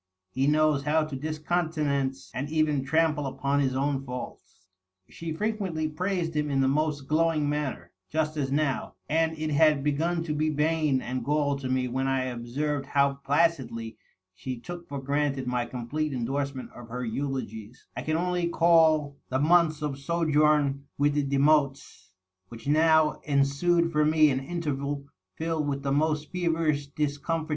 He knows how to discountenance and even trample upon his own faults !" She frequently praised him in the most glowing manner, just as now ; and it had bc^un to be bane and gall to me when I observed how flacidly she took for granted my complete endorsement of her eulogies, can only call the months of sojourn with the Demottes which now ensued for me an interval filled with the most feverish discomfitiu^.